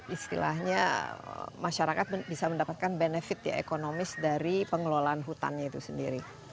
istilahnya masyarakat bisa mendapatkan benefit ya ekonomis dari pengelolaan hutannya itu sendiri